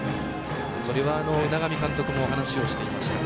それは海上監督も話をしていました。